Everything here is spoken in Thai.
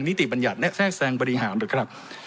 ติบัญญัติและแทรกแซงบริหารหรือครับ